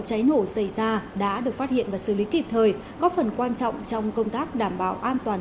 cháy nổ xảy ra đã được phát hiện và xử lý kịp thời có phần quan trọng trong công tác đảm bảo an toàn